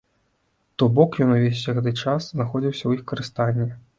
То бок ён увесь гэты час знаходзіўся ў іх у карыстанні.